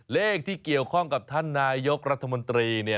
เลขที่เกี่ยวข้องกับท่านนายกรัฐมนตรีเนี่ย